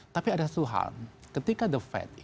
tapi ada satu hal ketika the fed